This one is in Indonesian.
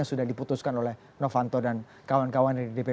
sudah diputuskan oleh novanto dan kawan kawan dari dpp